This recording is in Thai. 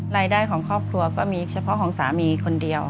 รายได้ของครอบครัวก็มีเฉพาะของสามีคนเดียว